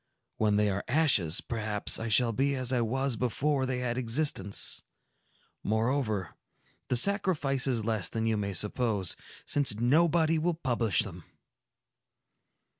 When they are ashes, perhaps I shall be as I was before they had existence. Moreover, the sacrifice is less than you may suppose, since nobody will publish them."